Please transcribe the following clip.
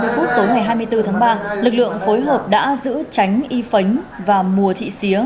ba mươi phút tối ngày hai mươi bốn tháng ba lực lượng phối hợp đã giữ tránh y phánh và mùa thị xía